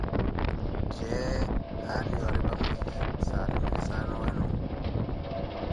Jee haali yooripa mwiinyi, saalimini saana owenu ?